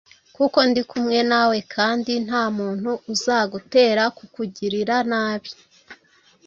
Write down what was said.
kuko ndi kumwe na we, kandi nta muntu uzagutera kukugirira nabi,